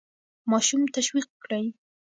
ماشوم تشویق کړئ.